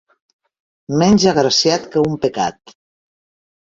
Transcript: Menys agraciat que un pecat.